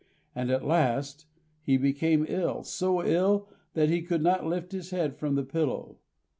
And at last he became ill, so ill that he could not lift his head from the pillow.